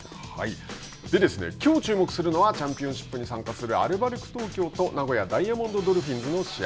きょう注目するのはチャンピオンシップに参加するアルバルク東京と名古屋ダイヤモンドドルフィンズの試合。